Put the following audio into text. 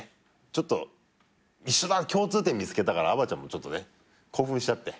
ちょっと共通点見つけたからあばちゃんもちょっと興奮しちゃって。